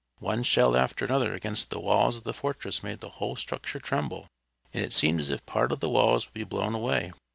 One shell after another against the walls of the fortress made the whole structure tremble, and it seemed as if part of the walls would be blown away.